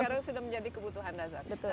karena sudah menjadi kebutuhan dasar